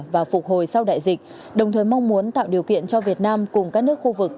và phục hồi sau đại dịch đồng thời mong muốn tạo điều kiện cho việt nam cùng các nước khu vực